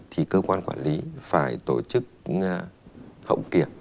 thì cơ quan quản lý phải tổ chức hậu kiểm